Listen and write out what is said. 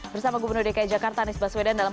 bersama gubernur dki jakarta anies baswedan dalam